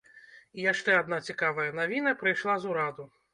І яшчэ адна цікавая навіна прыйшла з ураду.